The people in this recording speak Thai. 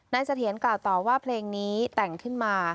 นายสะเทียนกล่าวตอบว่าเพลงนี้แต่งขึ้นมา